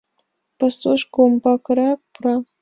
Пасушко, умбакырак, пура.